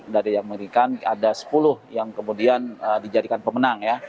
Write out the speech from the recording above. dari amerika ada sepuluh yang kemudian dijadikan pemenang ya